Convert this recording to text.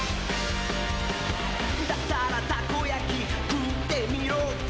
「だったらタコ焼き食ってみろって」